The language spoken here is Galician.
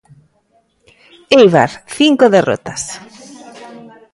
Éibar, cinco derrotas.